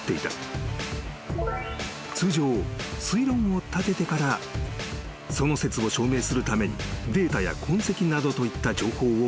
［通常推論を立ててからその説を証明するためにデータや痕跡などといった情報を集める］